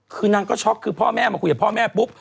คือนางก็ช็อกคือพ่อแม่มาคุยกับพ่อแม่ปุ๊บ